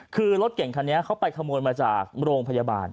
คือรถเก่งคันนี้เขาไปขโมยมาจากโรงพยาบาล